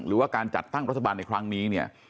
หรือว่าการจัดตั้งรัฐบาลในครั้งนี้เนี่ย